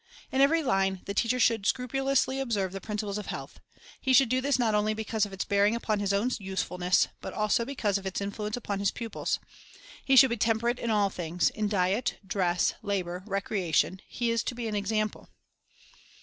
In every line the teacher should scrupulously observe the principles of health. He should do this not only because of its bearing upon his own usefulness, but also because of its influence upon his pupils. He should be temperate in all things; in diet, dress, labor, recreation, he is to be an example.